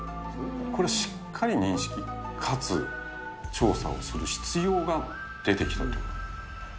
これ、しっかり認識、かつ調査をする必要が出てきたと。